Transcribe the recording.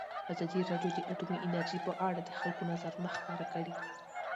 ازادي راډیو د اټومي انرژي په اړه د خلکو نظرونه خپاره کړي.